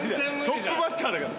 トップバッターだから。